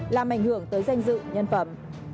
làm ảnh hưởng tới danh dự nhân phẩm